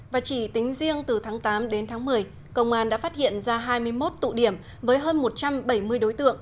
và chỉ tính riêng từ tháng tám đến tháng một mươi công an đã phát hiện ra hai mươi một tụ điểm với hơn một trăm bảy mươi đối tượng